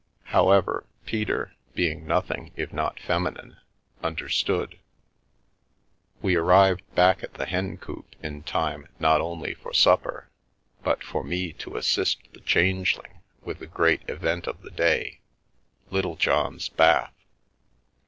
However, Peter, being nothing if not feminine, under stood. We arrived back at the Hencoop in time not only for supper, but for me to assist the Changeling with the great event of the day — Littlejohn's bath.